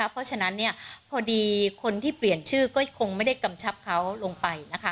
เพราะฉะนั้นพอดีคนที่เปลี่ยนชื่อก็คงไม่ได้กำชับเขาลงไป